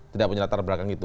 tidak punya latar belakang itu